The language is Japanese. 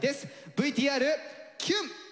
ＶＴＲキュン！